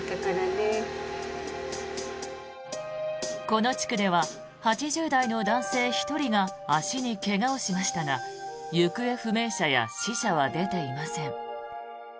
この地区では８０代の男性１人が足に怪我をしましたが行方不明者や死者は出ていません。